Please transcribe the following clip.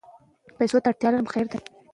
د مطالعې کلتور باید درک شي.